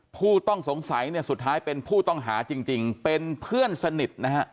ผู้ต้องสงสัยเนี่ยสุดท้ายเป็นผู้ต้องหาจริงเป็นเพื่อนสนิทนะฮะ